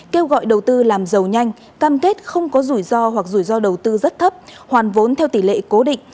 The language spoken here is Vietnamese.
kêu gọi đầu tư làm giàu nhanh cam kết không có rủi ro hoặc rủi ro đầu tư rất thấp hoàn vốn theo tỷ lệ cố định